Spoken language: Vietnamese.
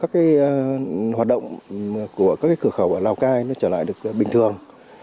các cái hoạt động của các cái cửa khẩu ở lào cai nó trở lại được bình thường